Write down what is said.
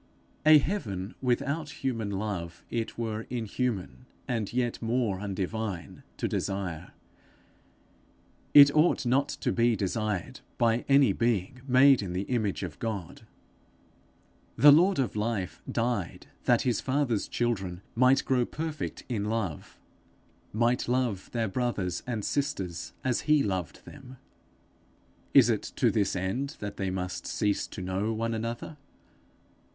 A heaven without human love it were inhuman, and yet more undivine to desire; it ought not to be desired by any being made in the image of God. The lord of life died that his father's children might grow perfect in love might love their brothers and sisters as he loved them: is it to this end that they must cease to know one another?